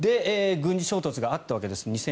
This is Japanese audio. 軍事衝突があったわけです